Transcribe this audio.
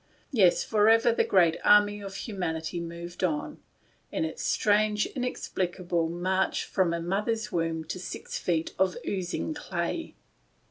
l Yes, forever the great army of humanity moved on, on its strange inexplicable march from a mother's womb to six feet of oozing clay.